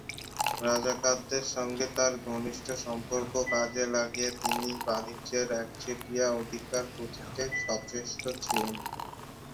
রাজদরবারের সঙ্গে তাঁর ঘনিষ্ট সম্পর্ক কাজে লাগিয়ে তিনি বাণিজ্যে একচেটিয়া অধিকার প্রতিষ্ঠায় সচেষ্ট ছিলেন।